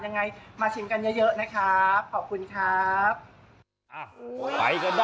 ยังไงมาชิมกันเยอะเยอะนะครับขอบคุณครับ